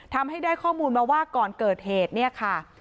ทำให้ได้ข้อมูลมาว่าก่อนเกิดเหตุเนี่ยค่ะ